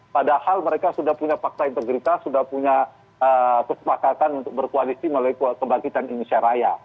padahal mereka sudah punya fakta integritas sudah punya kesepakatan untuk berkoalisi melalui kebangkitan indonesia raya